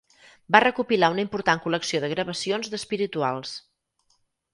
Va recopilar una important col·lecció de gravacions d'espirituals.